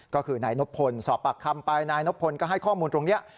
ก็คือนายนบพลสอบปากคำไปนายนบพลก็ให้ข้อมูลตรงนี้